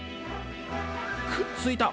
くっついた！